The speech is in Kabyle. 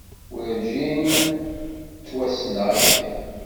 Werǧin ad ttwassneɣ akken.